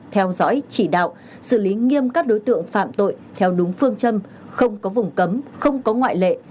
theo dõi chỉ đạo xử lý nghiêm các đối tượng phạm tội theo đúng phương châm không có vùng cấm không có ngoại lệ